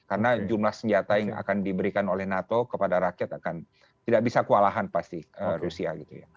karena jumlah senjata yang akan diberikan oleh nato kepada rakyat akan tidak bisa kualahan pasti rusia